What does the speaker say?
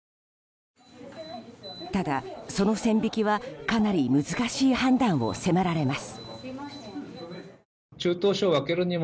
ただ、その線引きはかなり難しい判断を迫られます。